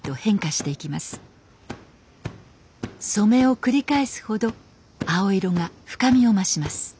染めを繰り返すほど青色が深みを増します。